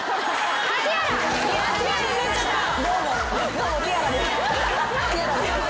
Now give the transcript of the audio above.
どうもティアラです。